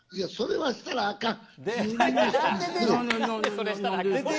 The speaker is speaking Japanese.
それはしたらあかん。